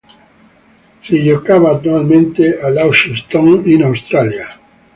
Si giocava annualmente a Launceston in Australia.